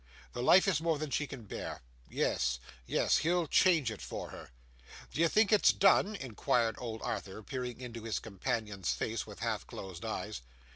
The life is more than she can bear. Yes, yes. He'll change it for her.' 'D'ye think it's done?' inquired old Arthur, peering into his companion's face with half closed eyes.